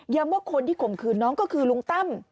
ว่าคนที่ข่มขืนน้องก็คือลุงตั้ม